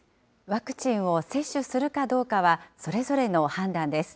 ワクチンを接種するかどうかは、それぞれの判断です。